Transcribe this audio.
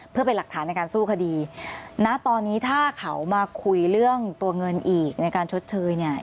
เพื่อเป็นหลักฐานในการสู้คดีณตอนนี้ถ้าเขามาคุยเรื่องตัวเงินอีกในการชดเชยเนี่ย